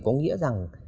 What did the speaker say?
có nghĩa rằng